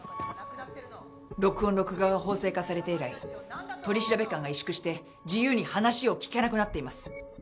録音・録画が法制化されて以来取調官が萎縮して自由に話を聞けなくなっています。